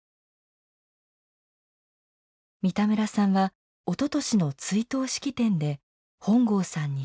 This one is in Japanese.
三田村さんはおととしの追悼式典で本郷さんに再会。